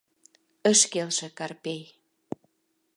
— ыш келше Карпей.